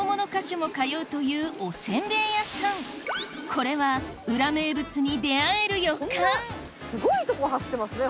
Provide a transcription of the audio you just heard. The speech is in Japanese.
これは裏名物に出合える予感すごいとこ走ってますね